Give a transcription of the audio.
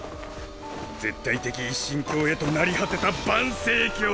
絶対的一神教へとなり果てた盤星教！